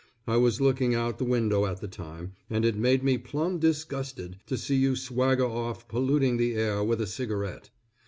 I was looking out the window at the time, and it made me plumb disgusted to see you swagger off polluting the air with a cigarette.